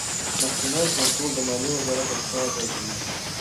مخکینی کنټرول د مالیې وزارت استازی کوي.